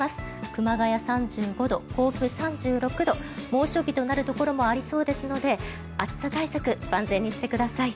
熊谷、３５度甲府、３６度猛暑日となるところもありそうですので暑さ対策、万全にしてください。